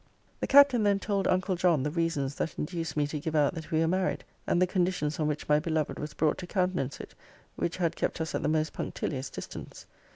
'The Captain then told uncle John the reasons that induced me to give out that we were married; and the conditions on which my beloved was brought to countenance it; which had kept us at the most punctilious distance.